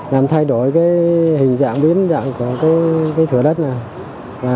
làm thay đổi cái hình dạng biến dạng của cái thửa đất này